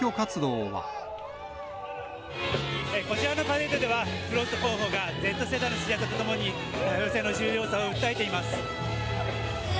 こちらのパレードでは、フロスト候補が、Ｚ世代の支持者と共に、多様性の重要さを訴えています。